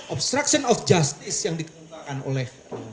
obstruction of justice yang dikemukakan oleh